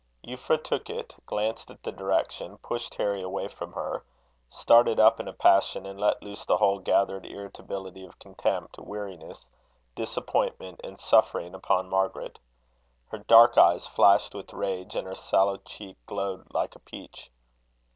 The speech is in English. Euphra took it, glanced at the direction, pushed Harry away from her, started up in a passion, and let loose the whole gathered irritability of contempt, weariness, disappointment, and suffering, upon Margaret. Her dark eyes flashed with rage, and her sallow cheek glowed like a peach.